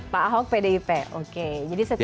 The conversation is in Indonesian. pak ahok pdip oke jadi setidaknya